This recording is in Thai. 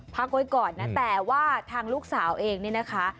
พักไว้ก่อนนะแต่ว่าทางลูกสาวเองเนี่ยนะคะ